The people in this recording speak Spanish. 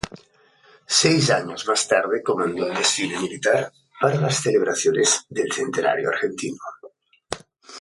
Seis años más tarde comandó el desfile militar para las celebraciones del centenario argentino.